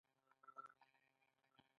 د معلوماتو راټولول او لیکنه.